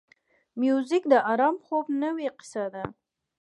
موزیک د آرام خوب نوې کیسه ده.